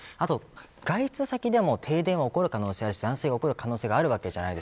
外出先でも停電は起こる可能性がある、断水が起こる可能性もあります。